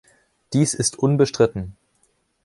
Dies ist unbestritten.